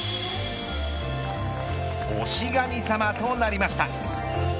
推し神様となりました。